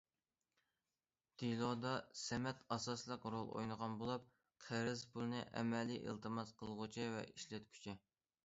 دېلودا سەمەت ئاساسلىق رول ئوينىغان بولۇپ، قەرز پۇلىنى ئەمەلىي ئىلتىماس قىلغۇچى ۋە ئىشلەتكۈچى.